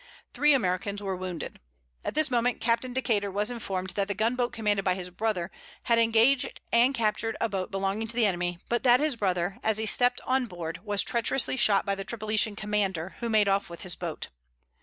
Three Americans were wounded. At this moment captain Decater was informed that the gun boat commanded by his brother, had engaged and captured a boat belonging to the enemy; but that his brother, as he stepped on board was treacherously shot by the Tripolitan commander, who made off with his boat.